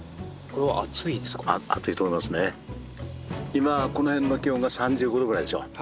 今この辺の気温が３５度ぐらいでしょ。